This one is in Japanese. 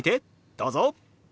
どうぞ。